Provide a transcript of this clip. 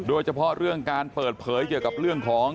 โดยเฉพาะเรื่องการเปิดเผยเกี่ยวกับเรื่องของ